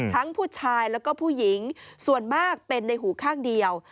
ผู้ชายแล้วก็ผู้หญิงส่วนมากเป็นในหูข้างเดียว